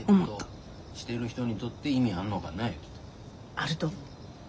あると思う。